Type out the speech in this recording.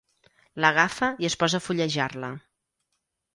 L'agafa i es posa a fullejar-la.